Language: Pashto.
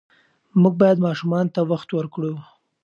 موږ باید ماشومانو ته وخت ورکړو.